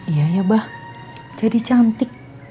iya ya bah jadi cantik